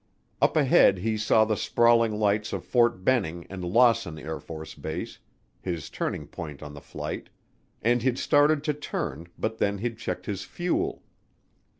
Up ahead he saw the sprawling lights of Fort Benning and Lawson AFB, his turning point on the flight, and he'd started to turn but then he'd checked his fuel.